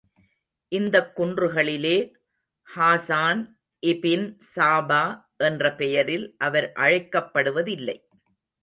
இந்தக் குன்றுகளிலே, ஹாசான் இபின் சாபா என்ற பெயரில் அவர் அழைக்கப்படுவதில்லை.